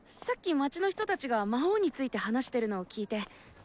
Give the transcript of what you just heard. さっき街の人たちが魔王について話してるのを聞いて。